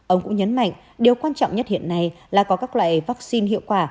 ông cũng nhấn mạnh điều quan trọng nhất hiện nay là có các loại vaccine hiệu quả